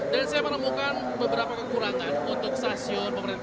dan saya menemukan beberapa kekurangan untuk stasiun pemerintahan